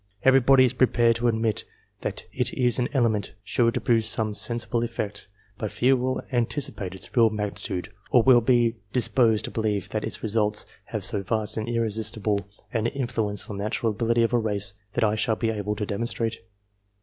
Everybody is prepared to admit that it is an element, sure to produce some sensible effect, but few will anticipate its real / 2 340 INFLUENCES THAT AFFECT THE magnitude or will be disposed to believe that its results have so vast and irresistible an influence on the natural ability of a race, as I shall be able to demonstrate.